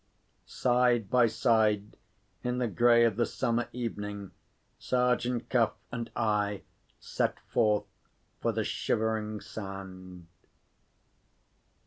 Side by side, in the grey of the summer evening, Sergeant Cuff and I set forth for the Shivering Sand.